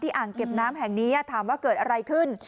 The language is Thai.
อ่างเก็บน้ำแห่งนี้ถามว่าเกิดอะไรขึ้น